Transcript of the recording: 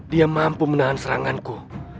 dia mampu menahan seranganku